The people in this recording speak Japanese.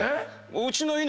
うちの犬